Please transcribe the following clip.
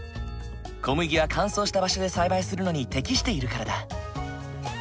小麦は乾燥した場所で栽培するのに適しているからだ。